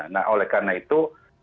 nah oleh karena itu